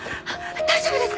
大丈夫ですか！？